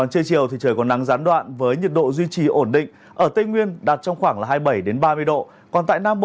trên chiều trời có nắng gián đoạn với nhiệt độ duy trì ổn định ở tây nguyên đạt trong khoảng hai mươi bảy ba mươi độ